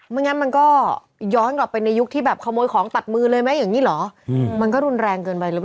งั้งงั้นมันก็ย้อนออกไปในยุคที่ขโมยของตัดมือเลยไหมอย่างนี้หรอ